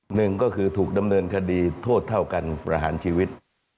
หนึ่งก็คือถูกดำเนินคดีโทษเท่ากันประหารชีวิต